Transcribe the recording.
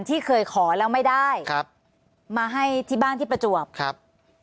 ที่เคยขอแล้วไม่ได้ครับมาให้ที่บ้านที่ประจวบครับ